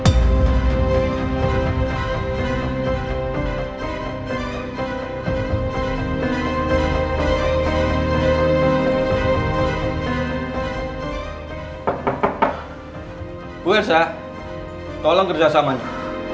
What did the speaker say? ibu elsa tolong kerjasamanya